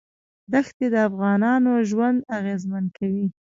دښتې د افغانانو ژوند اغېزمن کوي.